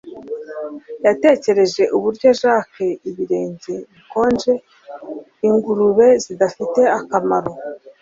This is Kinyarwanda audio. Yatekereje uburyo Jack ibirenge bikonje ingurube zidafite akamaro